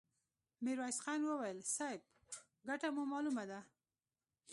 ميرويس خان وويل: صيب! ګټه مو مالومه ده!